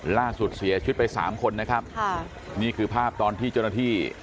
ล่าสุดเสียชีวิตไปสามคนนะครับค่ะนี่คือภาพตอนที่เจ้าหน้าที่